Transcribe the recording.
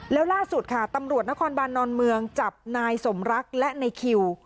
แล้วล่าสุดค่ะตำรวจนครบานนอนเมืองจับนายสมรักและในคิว